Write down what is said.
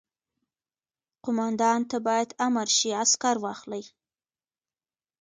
قوماندان ته باید امر شي عسکر واخلي.